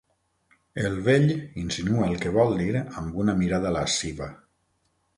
El vell insinua el que vol dir amb una mirada lasciva.